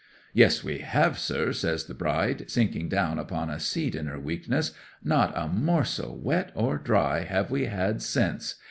'"Yes, we have, sir!" says the bride, sinking down upon a seat in her weakness. "Not a morsel, wet or dry, have we had since!